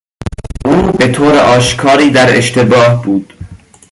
او به طور آشکاری در اشتباه بود.